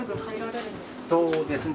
そうですね。